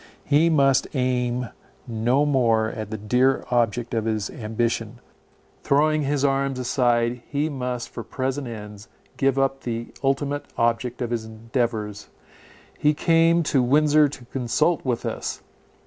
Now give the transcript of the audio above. He must aim no more at the dear object of his ambition; throwing his arms aside, he must for present ends give up the ultimate object of his endeavours. He came to Windsor to consult with us.